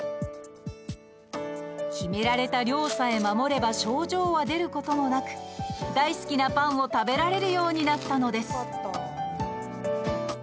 決められた量さえ守れば症状は出ることもなく大好きなパンを食べられるようになったのです。